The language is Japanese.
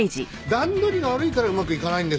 段取りが悪いからうまくいかないんですよ。